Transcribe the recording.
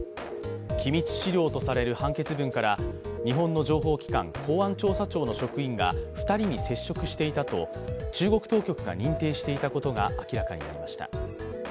機密資料とされる判決文から日本のの情報機関、公安調査庁の職員が２人に接触していたと中国当局が認定していたことが明らかになりました。